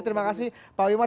terima kasih pak wimar